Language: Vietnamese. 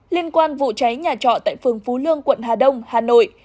liên quan vụ cháy nhà trọ tại phường phú lương quận hà đông hà nội